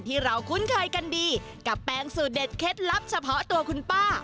ที่เราคุ้นเคยกันดีกับแปงสูตรเด็ดเคล็ดลับเฉพาะตัวคุณป้า